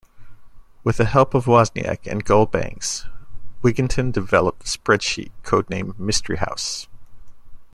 With help from Wozniak and Gull Banks, Wigginton developed The Spreadsheet, codenamed "Mystery House".